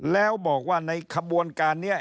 แล้วบอกว่าในขบวนการนี้